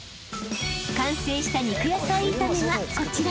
［完成した肉野菜炒めがこちら］